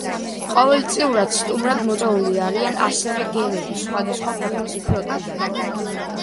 ყოველწლიურად სტუმრად მოწვეული არიან ასევე გემები სხვადასხვა ქვეყნის ფლოტიდან.